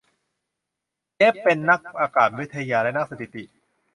เจฟฟ์เป็นนักอากาศวิทยาและนักสถิติ